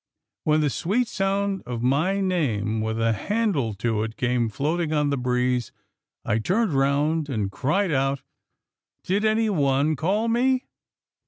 When the sweet sound of my name, with a handle to it, came floating on the breeze, I turned round, and cried out, ' Did anyone call me?